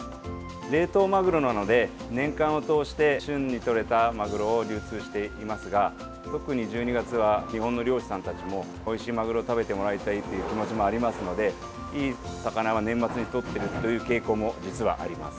冷凍マグロなので年間を通して旬にとれたマグロを流通していますが特に１２月は日本の漁師さんたちもおいしいマグロを食べてもらいたいという気持ちもありますのでいい魚は年末にとっているという傾向も、実はあります。